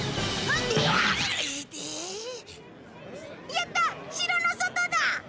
やった城の外だ！